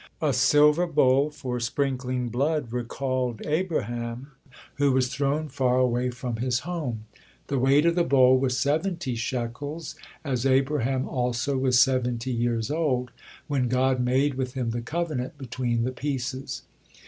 A silver bowl for sprinkling blood recalled Abraham, who was thrown far away form his home. The weight of the bowl was seventy shekels, as Abraham also was seventy years old when God made with him the covenant between the pieces.